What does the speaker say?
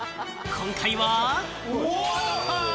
今回は。